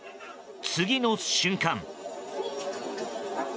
次の瞬間。